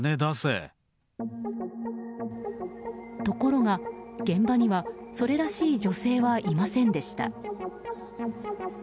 ところが、現場にはそれらしい女性はいませんでした。